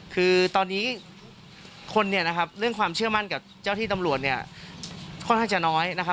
คือตอนนี้คนเนี่ยนะครับเรื่องความเชื่อมั่นกับเจ้าที่ตำรวจเนี่ยค่อนข้างจะน้อยนะครับ